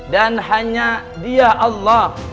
dan hanya dia allah